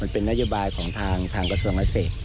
เป็นนโยบายของทางกษัตริย์และเศษ